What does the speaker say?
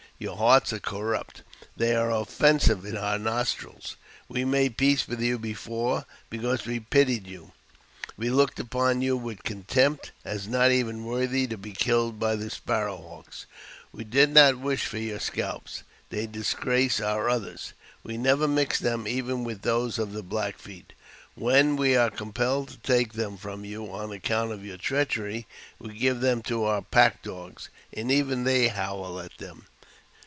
Your hearts are corrupt : they are of fensive in our nostrils. We made peace with you before be cause we pitied you ; we looked upon you with contempt, as not even worthy to be killed by the Sparrowhawks. We did not wish for your scalps : they disgrace our others ; we never mix them even with those of the Black Feet. When we are compelled to take them from you on account of your treachery, we give them to our pack dogs, and even they howl at them.